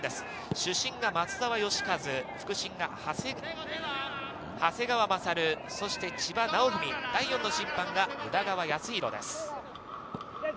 主審が松澤慶和、副審が長谷川雅、千葉直史、第４の審判が宇田川恭弘です。